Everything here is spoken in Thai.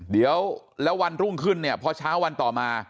เดี๋ยวแล้ววันรุ่งขึ้นเนี่ยพอเช้าวันต่อมา